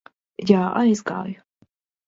Jā, aizgāju.